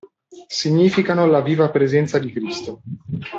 Significano la viva presenza di Cristo.